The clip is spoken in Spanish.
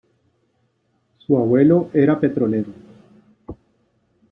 Su abuelo era petrolero.